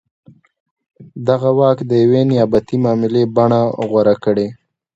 دغه واک د یوې نیابتي معاملې بڼه غوره کړې.